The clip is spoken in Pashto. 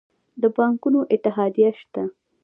د بانکونو اتحادیه شته؟